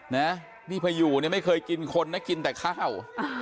นี่พยูไม่เคยกินคนนะกินแต่ข้าว